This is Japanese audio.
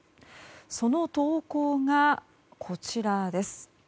その投稿がこちらです。